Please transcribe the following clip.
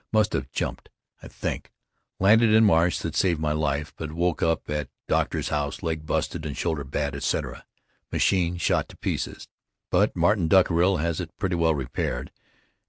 Must have jumped, I think. Landed in marsh, that saved my life, but woke up at doctor's house, leg busted and shoulder bad, etc. Machine shot to pieces, but Martin Dockerill has it pretty well repaired.